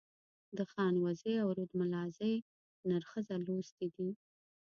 د خانوزۍ او رودملازۍ نر ښځه لوستي دي.